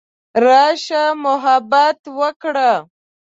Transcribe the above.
راشه محبت وکړه.